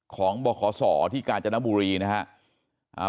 ของบรขสอที่กาญจนบุรีนะฮะ